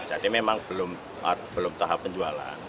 jadi memang belum tahap penjualan